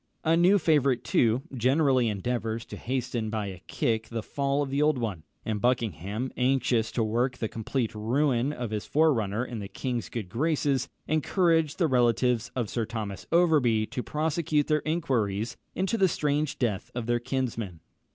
A new favourite, too, generally endeavours to hasten by a kick the fall of the old one; and Buckingham, anxious to work the complete ruin of his forerunner in the king's good graces, encouraged the relatives of Sir Thomas Overbury to prosecute their inquiries into the strange death of their kinsman.